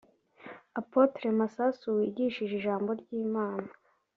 Apotre Masasu wigishije ijambo ry’Imana